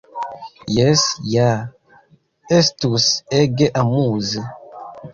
Jes ja! Estus ege amuze!